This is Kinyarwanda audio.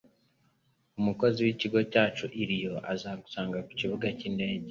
Umukozi wikigo cyacu i Rio azagusanga kukibuga cyindege.